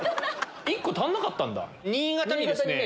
１個足んなかったんだ。